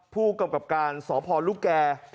ผู้กรรมกรรมการสพลูกแก